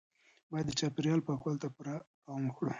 باید د چاپیریال پاکوالي ته پوره پام وکړو.